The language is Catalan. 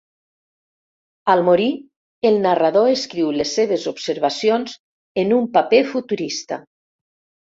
Al morir, el narrador escriu les seves observacions en un paper futurista.